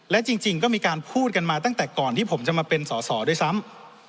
และจริงก็มีการพูดกันมาตั้งแต่ก่อนที่ผมจะมาเป็นสอสอด้วยซ้ำ